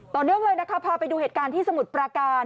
ต่อเนื่องเลยนะคะพาไปดูเหตุการณ์ที่สมุทรปราการ